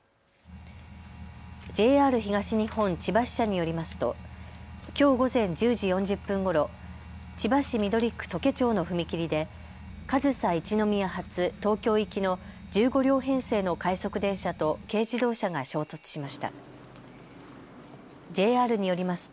ＪＲ東日本千葉支社によりますときょう午前１０時４０分ごろ千葉市緑区土気町の踏切で上総一ノ宮発東京行きの１５両編成の快速電車と軽自動車が衝突しました。